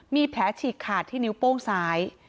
มีแผลฉีกขาดที่นิ้วโป้งซ้าย